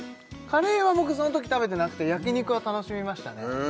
カレーは僕そのとき食べてなくて焼肉は楽しみましたね